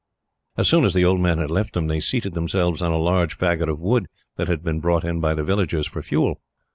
As soon as the old man had left them, they seated themselves on a large faggot of wood that had been brought in by the villagers, for fuel.